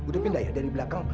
udah pindah ya dari belakang